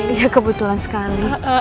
iya kebetulan sekali